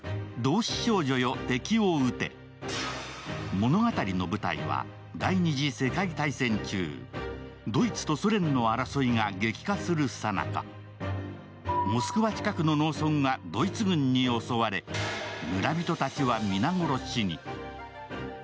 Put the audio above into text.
物語の舞台は第２次世界大戦中、ドイツとソ連の争いが激化するさなか、モスクワ近くの農村がドイツ軍に襲われ、村人たちは皆殺しに。